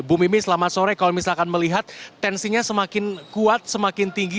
bu mimi selamat sore kalau misalkan melihat tensinya semakin kuat semakin tinggi